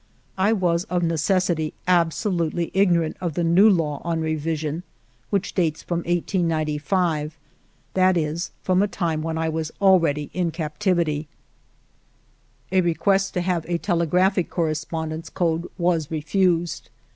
I was of necessity absolutely ignorant of the new law on revision, which dates from 1895; that is, from a time when I was already in captivity. ALFRED DREYFUS 277 A request to have a telegraphic correspondence code was refused.